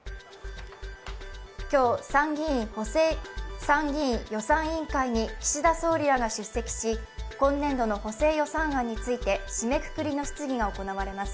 今日、参議院予算委員会に岸田総理らが出席し今年度の補正予算案について、締めくくりの質疑が行われます。